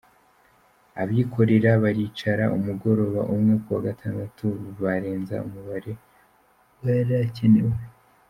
Abikorera baricara umugoroba umwe kuwa gatandatu barenza umubare w’ayarakenewe.”